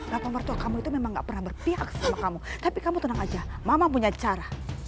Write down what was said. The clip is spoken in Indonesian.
ratu mertua kamu itu memang gak pernah berpihak sama kamu tapi kamu tenang aja mama punya cara